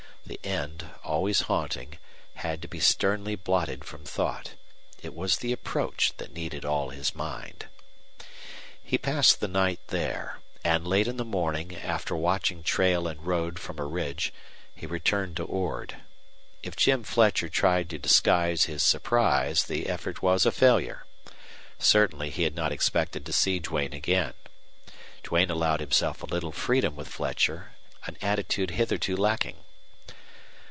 The end, always haunting, had to be sternly blotted from thought. It was the approach that needed all his mind. He passed the night there, and late in the morning, after watching trail and road from a ridge, he returned to Ord. If Jim Fletcher tried to disguise his surprise the effort was a failure. Certainly he had not expected to see Duane again. Duane allowed himself a little freedom with Fletcher, an attitude hitherto lacking.